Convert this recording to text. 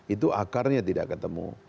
itu akarnya tidak ketemu